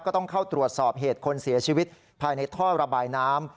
ต้องเข้าตรวจสอบเหตุคนเสียชีวิตภายในท่อระบายน้ำ